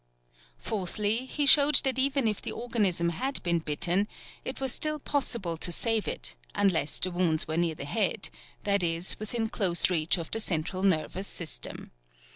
Fourthly, he showed that even if the organism had been bitten, it was still possible to save it, unless the wounds were near the head that is, within close reach of the central nervous system.